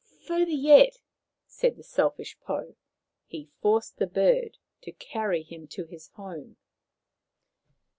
" Further yet," said the selfish Pou. He forced the bird to carry him to his home.